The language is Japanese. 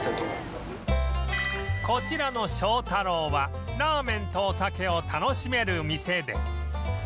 こちらの庄太郎はラーメンとお酒を楽しめる店で